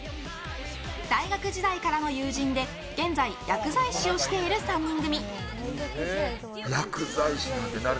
大学時代からの友人で現在、薬剤師をしている３人組。